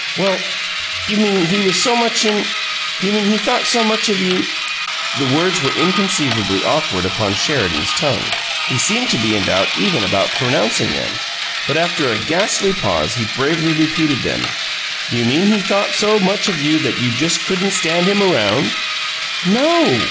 "Well you mean he was so much in you mean he thought so much of you " The words were inconceivably awkward upon Sheridan's tongue; he seemed to be in doubt even about pronouncing them, but after a ghastly pause he bravely repeated them. "You mean he thought so much of you that you just couldn't stand him around?" "NO!